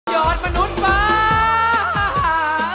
อดมนุษย์ว้า